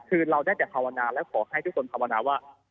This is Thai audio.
คือเราได้แต่ภาวนาและขอให้ทุกคนภาวนาว่า